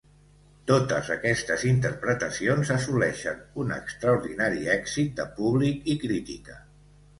Totes aquestes interpretacions assoleixen un extraordinari èxit de públic i crítica.